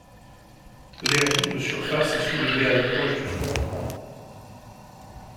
L'air doux de surface est soulevé à l'approche du front froid.